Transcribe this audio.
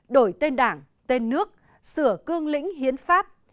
đổi tên đảng tên nước sửa cương lĩnh hiến pháp